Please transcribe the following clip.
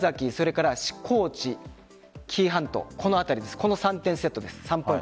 それから高知、紀伊半島この辺り、この３点セットです。